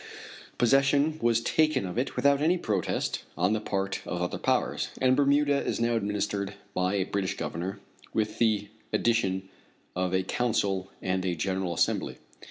Possession was taken of it without any protest on the part of other powers, and Bermuda is now administered by a British governor with the addition of a council and a General Assembly.